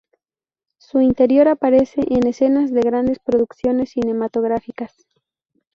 Su interior aparece en escenas de grandes producciones cinematográficas.